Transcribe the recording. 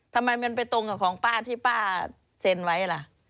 ทำไมมันไปตรงกับของป้าที่ป้าเซ็นไว้ล่ะ